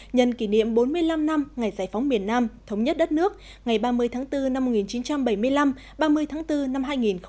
nhân kỷ niệm bốn mươi năm năm ngày giải phóng miền nam thống nhất đất nước ngày ba mươi tháng bốn năm một nghìn chín trăm bảy mươi năm ba mươi tháng bốn năm hai nghìn hai mươi